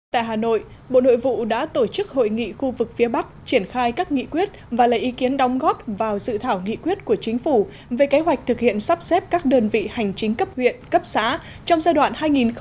tại hà nội bộ nội vụ đã tổ chức hội nghị khu vực phía bắc triển khai các nghị quyết và lấy ý kiến đóng góp vào dự thảo nghị quyết của chính phủ về kế hoạch thực hiện sắp xếp các đơn vị hành chính cấp huyện cấp xã trong giai đoạn hai nghìn một mươi chín hai nghìn hai mươi một